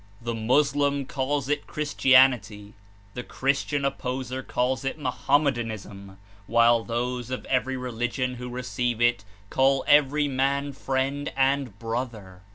The Moslem calls it Christianity; the Christian opposer calls it Mohammedanism, while those of every religion who receive it call every man friend and brother.